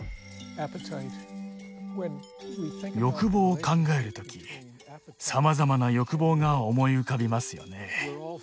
欲望を考える時さまざまな欲望が思い浮かびますよね。